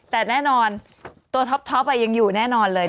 แต่แน่นอนตัวท็อปยังอยู่แน่นอนเลย